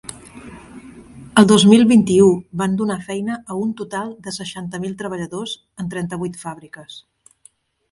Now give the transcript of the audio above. El dos mil vint-i-u van donar feina a un total de seixanta mil treballadors en trenta-vuit fàbriques.